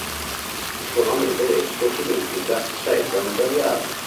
Il suo nome in tedesco significa “selva imperiale”.